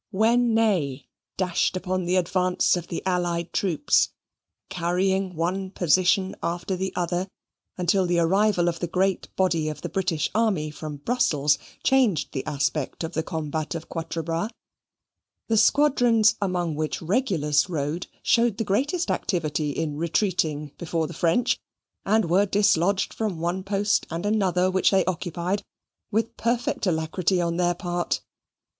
When Ney dashed upon the advance of the allied troops, carrying one position after the other, until the arrival of the great body of the British army from Brussels changed the aspect of the combat of Quatre Bras, the squadrons among which Regulus rode showed the greatest activity in retreating before the French, and were dislodged from one post and another which they occupied with perfect alacrity on their part.